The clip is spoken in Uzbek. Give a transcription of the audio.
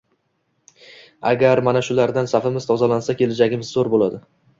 Agar mana shulardan safimiz tozalansa, kelajagimiz zo‘r bo‘ladi.